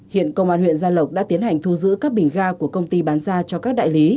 hiện công an huyện gia lộc đã tiến hành thu giữ các bình ga của công ty bán ra cho các đại lý